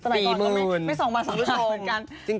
สมัยก่อนก็ไม่๒บาท๓บาทเหมือนกัน